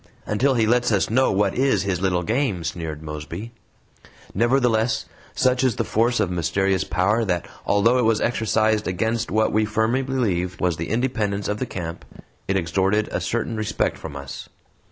"Until he lets us know what is his little game," sneered Mosby. Nevertheless, such is the force of mysterious power that although it was exercised against what we firmly believed was the independence of the camp, it extorted a certain respect from us.